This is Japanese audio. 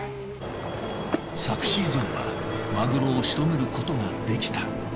昨シーズンはマグロを仕留めることができた。